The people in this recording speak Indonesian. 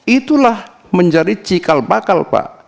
itulah menjadi cikal bakal pak